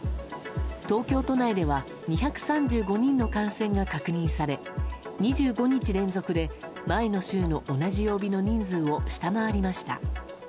東京都内では２３５人の感染が確認され２５日連続で前の週の同じ曜日の人数を下回りました。